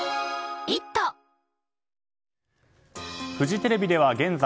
フジテレビでは現在